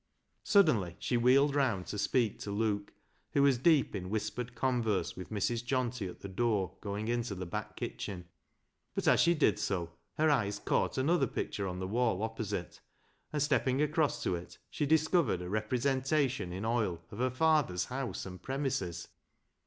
Suddenly she wheeled round to speak to Luke, who was deep in whispered converse with Mrs. Johnty at the door going into the back kitchen, but as she did so, her eyes caught another picture on the wall opposite, and, stepping across to it, she discovered a representation in oil of her father's house and premises.